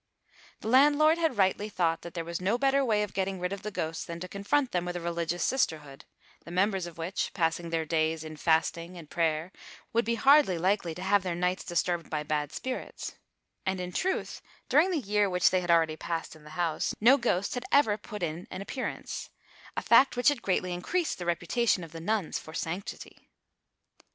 The landlord had rightly thought that there was no better way of getting rid of the ghosts than to confront them with a religious sisterhood, the members of which, passing their days in fasting and prayer, would be hardly likely to have their nights disturbed by bad spirits; and in truth, during the year which they had already passed in the house, no ghost had ever put in an appearance—a fact which had greatly increased the reputation of the nuns for sanctity.